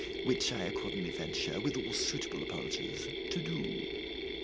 Which I accordingly venture, with all suitable apologies, to do.